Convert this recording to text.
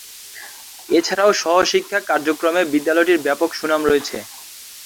এছাড়াও সহশিক্ষা কার্যক্রমে বিদ্যালয়টির ব্যাপক সুনাম রয়েছে।